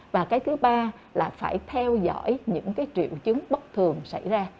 và thứ ba là phải theo dõi những triệu chứng bất thường xảy ra